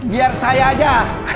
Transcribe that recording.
biar saya aja